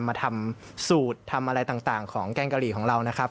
มาทำสูตรทำอะไรต่างของแกงกะหรี่ของเรานะครับ